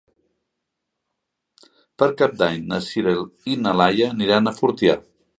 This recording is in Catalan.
Per Cap d'Any na Sira i na Laia aniran a Fortià.